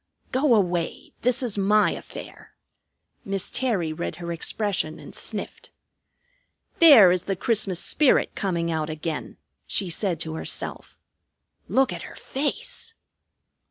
"Go away! This is my affair." Miss Terry read her expression and sniffed. "There is the Christmas spirit coming out again," she said to herself. "Look at her face!"